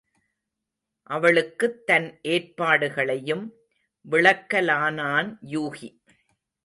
அவளுக்குத் தன் ஏற்பாடுகளையும் விளக்கலானான் யூகி.